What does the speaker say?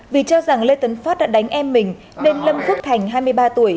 vì cho rằng lê tấn phát đã đánh em mình nên lâm phước thành hai mươi ba tuổi